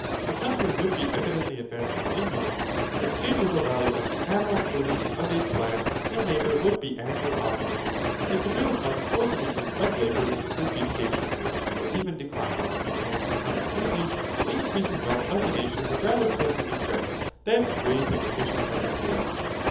The country would be evidently advancing in wealth, the exchangeable value of the annual produce of its land and labour would be annually augmented, yet the real funds for the maintenance of labour would be stationary, or even declining, and, consequently, the increasing wealth of the nation would rather tend to depress than to raise the condition of the poor.